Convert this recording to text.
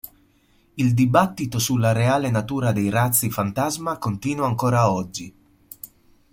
Il dibattito sulla reale natura dei razzi fantasma continua ancora oggi.